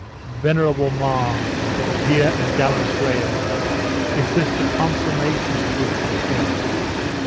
Venerable Mar, dear and valiant Graham! is this the consummation for which you fell?"